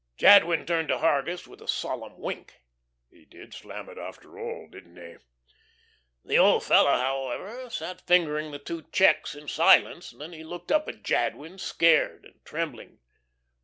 Jadwin turned to Hargus, with a solemn wink. "He did slam it after all, didn't he?" The old fellow, however, sat fingering the two checks in silence. Then he looked up at Jadwin, scared and trembling.